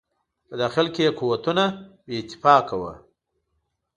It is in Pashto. په داخل کې یې قومونه بې اتفاقه وو.